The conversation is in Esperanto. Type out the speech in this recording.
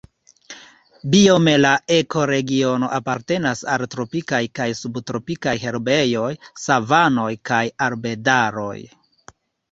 Biome la ekoregiono apartenas al tropikaj kaj subtropikaj herbejoj, savanoj kaj arbedaroj.